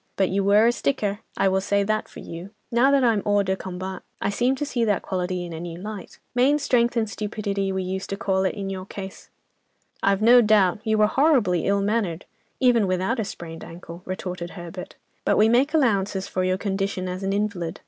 But you were a sticker, I will say that for you. Now that I'm hors de combat, I seem to see that quality in a new light. Main strength and stupidity we used to call it in your case." "I've no doubt; you were horribly ill mannered, even without a sprained ankle," retorted Herbert, "but we make allowances for your condition as an invalid.